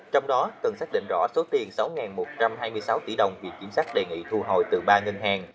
trong đó cần xác định rõ số tiền sáu một trăm hai mươi sáu tỷ đồng viện chính sách đề nghị thu hồi từ ba ngân hàng